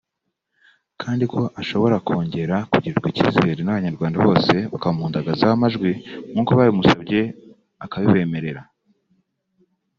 kandi ko ashobora kongera kugirirwa ikizere n’abanyarwanda bose bakamuhundagazaho amajwi nkuko babimusabye akabibemerera